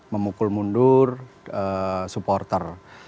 memukul mundur supporter